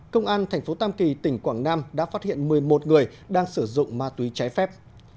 công an thành phố tam kỳ tỉnh quảng nam đã phát hiện một mươi một người đang sử dụng ma túy trái phép